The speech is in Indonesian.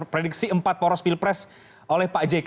prediksi empat poros pilpres oleh pak jk